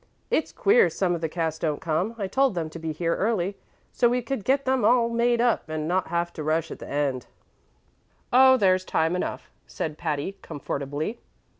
"It's queer some of the cast don't come. I told them to be here early, so we could get them all made up and not have a rush at the end." "Oh, there's time enough," said Patty, comfortably.